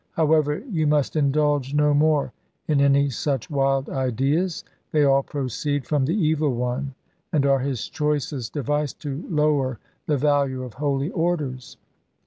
However, you must indulge no more in any such wild ideas. They all proceed from the evil one, and are his choicest device to lower the value of holy orders.